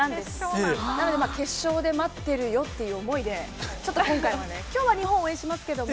なので決勝で待ってるよっていう思いで、ちょっと今回は、きょうは日本を応援しますけども。